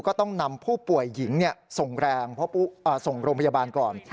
ก็ต้องนำผู้ป่วยหญิงส่งโรงพยาบาลก่อน